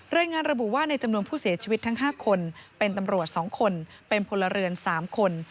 รายงานระบุว่าในจำนวนผู้เสียชีวิตทั้ง๕คนเป็นตำรวจ๒คนเป็นพลเรือน๓คน